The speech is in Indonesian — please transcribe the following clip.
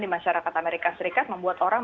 di masyarakat amerika serikat membuat orang